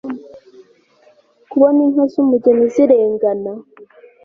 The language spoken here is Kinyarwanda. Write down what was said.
kubona inka z'umugeni zirengana